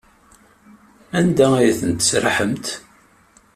Anda ay tent-tesraḥemt?